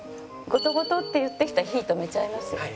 ゴトゴトっていってきたら火止めちゃいます。